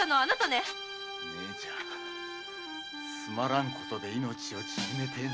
ねえちゃんつまらんことで命を縮めてえのか？